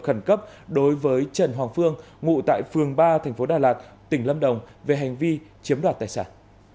trường hợp khẩn cấp đối với trần hoàng phương ngụ tại phường ba tp đà lạt tỉnh lâm đồng về hành vi chiếm đoạt tài sản